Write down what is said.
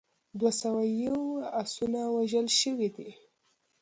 دوه سوه یو اسونه وژل شوي دي.